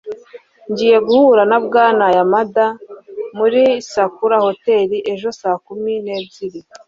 ngiye guhura na bwana yamada muri sakura hotel ejo saa kumi n'ebyiri